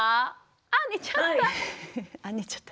あ寝ちゃった。